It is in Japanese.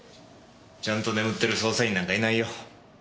ちゃんと眠ってる捜査員なんかいないよ。